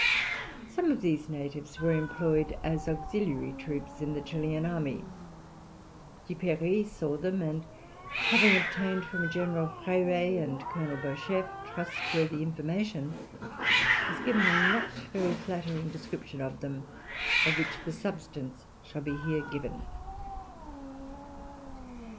Some of these natives were employed as auxiliary troops in the Chilian army. Duperrey saw them, and, having obtained from General Freire and Colonel Beauchef trustworthy information, has given a not very flattering description of them, of which the substance shall be here given.